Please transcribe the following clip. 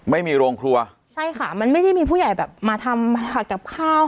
ไม่มีโรงครัวใช่ค่ะมันไม่ได้มีผู้ใหญ่แบบมาทำกับข้าว